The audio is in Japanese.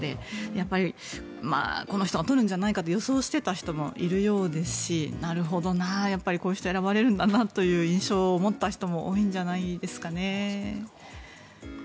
やっぱりこの人が取るんじゃないかと予想していた人もいるみたいですしなるほどな、こういう人が選ばれるんだなという印象を持った人も多いんじゃないですかね。